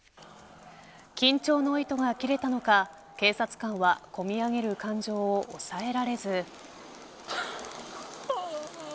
緊張の糸が切れたのか警察官はこみ上げる感情を抑えられず。